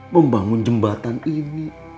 membangun jembatan ini